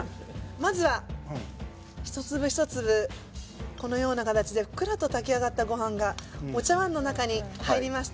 まずは一粒一粒このような形でふっくらと炊き上がったご飯がお茶わんの中に入りました。